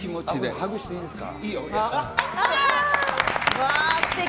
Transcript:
ハグしていいですか？